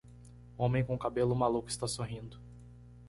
Homem com cabelo maluco está sorrindo.